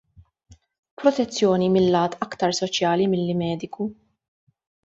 Protezzjoni mil-lat aktar soċjali milli mediku.